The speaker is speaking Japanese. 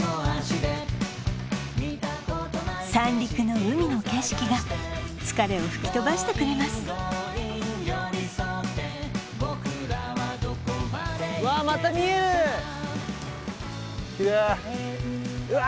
三陸の海の景色が疲れを吹き飛ばしてくれますわあまた見えるキレイうわ